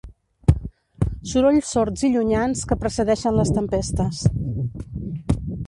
Sorolls sords i llunyans que precedeixen les tempestes.